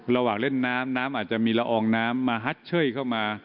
ระหว่างเล่นน้ำน้ำอาจจะมีละอองน้ำมาฮัดเชยเข้ามา